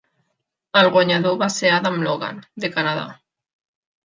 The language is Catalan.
El guanyador va ser Adam Logan, de Canadà.